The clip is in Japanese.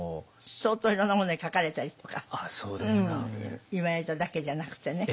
相当いろんなものに書かれたりとか言われただけじゃなくてね。